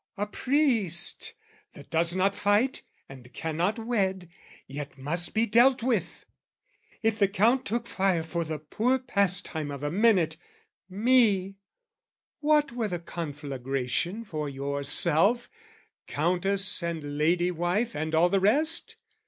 "A priest, that does not fight, and cannot wed, "Yet must be dealt with! If the Count took fire "For the poor pastime of a minute, me "What were the conflagration for yourself, "Countess and lady wife and all the rest?